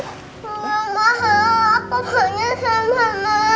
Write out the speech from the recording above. mama aku pengen sama mama